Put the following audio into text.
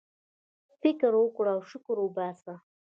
فكر وكره او شكر وباسه!